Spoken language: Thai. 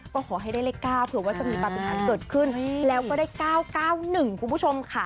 ก็ขอให้ได้เลข๙เผื่อว่าจะมีปฏิหารเกิดขึ้นแล้วก็ได้๙๙๑คุณผู้ชมค่ะ